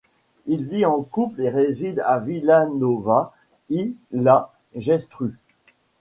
Il vit en couple et réside à Vilanova i la Geltrú.